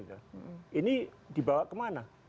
ini dibawa kemana